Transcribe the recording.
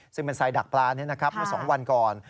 ซึ่งเป็นไซดักปลานี้นะครับเมื่อ๒วันก่อน